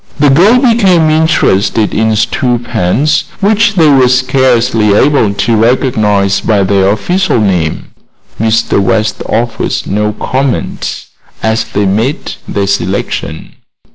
The girls became interested in stew pans, which they were scarcely able to recognize by their official name. Mr. West offered no comment as they made their selection.